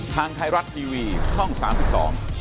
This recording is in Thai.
ทั้งฝั่งต่อ